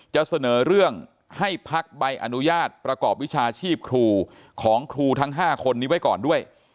จะเสนอเรื่องให้พักใบอนุญาตประกอบวิชาชีพครูของครูทั้ง๕คนนี้ไว้ก่อนด้วย